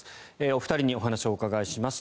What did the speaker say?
お二人にお話をお伺いします。